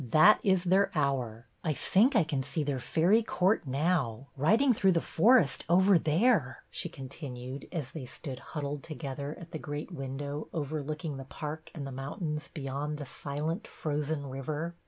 That is their hour. I think I can see their fairy court now, riding through the forest over there," she continued, as they stood huddled together at the great window overlooking the park and the mountains beyond the silent frozen river.